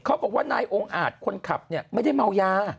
เขาบอกว่านายองค์อาจคนขับเนี่ยไม่ได้เมายา